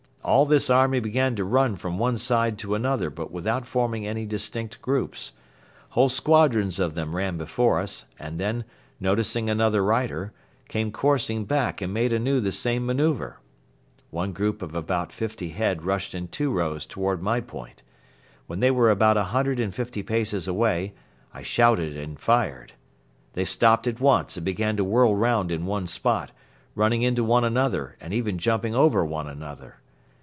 All this army began to run from one side to another but without forming any distinct groups. Whole squadrons of them ran before us and then, noticing another rider, came coursing back and made anew the same manoeuvre. One group of about fifty head rushed in two rows toward my point. When they were about a hundred and fifty paces away I shouted and fired. They stopped at once and began to whirl round in one spot, running into one another and even jumping over one another.